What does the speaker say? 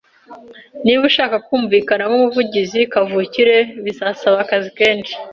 Niba ushaka kumvikana nkumuvugizi kavukire, bizasaba akazi kenshi.